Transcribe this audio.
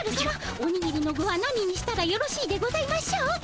おにぎりの具は何にしたらよろしいでございましょうか？